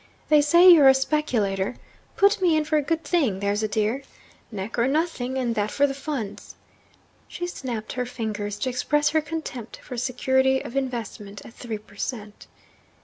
They say you're a speculator. Put me in for a good thing, there's a dear! Neck or nothing and that for the Funds!' She snapped her fingers to express her contempt for security of investment at three per cent.